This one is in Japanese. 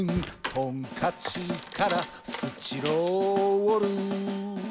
「トンカチからスチロール」